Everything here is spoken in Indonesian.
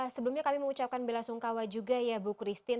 sebelumnya kami mengucapkan bela sungkawa juga ya bu christine